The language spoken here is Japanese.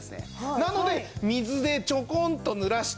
なので水でちょこんとぬらして。